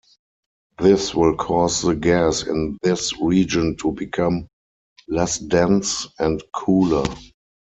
This will cause the gas in this region to become less dense, and cooler.